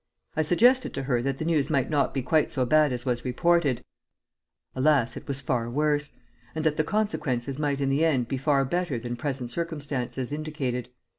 I suggested to her that the news might not be quite so bad as was reported (alas! it was far worse), and that the consequences might in the end be far better than present circumstances indicated.